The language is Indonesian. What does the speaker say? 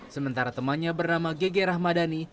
sementara temannya bernama gg rahmadani